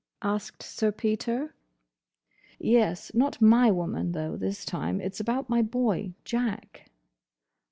asked Sir Peter. "Yes. Not my woman, though, this time. It's about my boy—Jack."